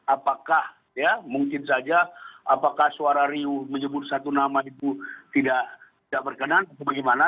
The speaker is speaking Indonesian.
apakah ya mungkin saja apakah suara riuh menyebut satu nama itu tidak berkenan atau bagaimana